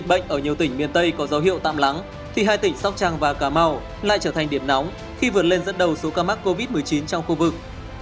bệnh ở nhiều tỉnh miền tây có dấu hiệu tạm lắng thì hai tỉnh sóc trăng và cà mau lại trở thành điểm nóng khi vươn lên dẫn đầu số ca mắc covid một mươi chín trong khu vực